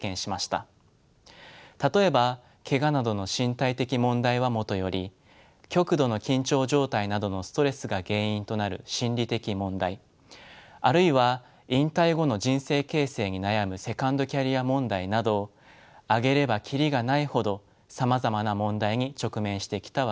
例えばけがなどの身体的問題はもとより極度の緊張状態などのストレスが原因となる心理的問題あるいは引退後の人生形成に悩むセカンドキャリア問題など挙げればキリがないほどさまざまな問題に直面してきたわけです。